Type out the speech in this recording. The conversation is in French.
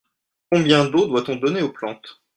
Combien d'eau doit-on donner aux plantes ?